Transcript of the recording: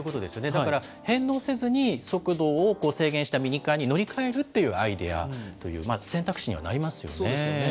だから返納せずに、速度を制限したミニカーに乗り換えるっていうアイデアという選択そうですよね。